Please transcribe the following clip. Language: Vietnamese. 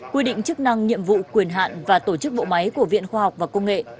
quy định chức năng nhiệm vụ quyền hạn và tổ chức bộ máy của viện khoa học và công nghệ